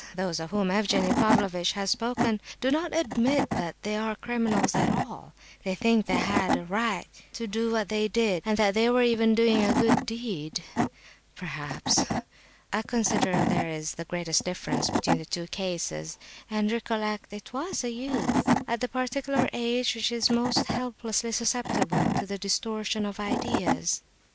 Those of whom Evgenie Pavlovitch has spoken, do not admit that they are criminals at all; they think they had a right to do what they did, and that they were even doing a good deed, perhaps. I consider there is the greatest difference between the two cases. And recollect—it was a youth, at the particular age which is most helplessly susceptible to the distortion of ideas!"